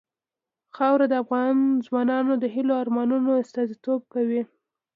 خاوره د افغان ځوانانو د هیلو او ارمانونو استازیتوب کوي.